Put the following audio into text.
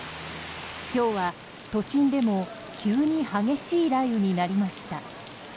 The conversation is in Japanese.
今日は都心でも急に激しい雷雨になりました。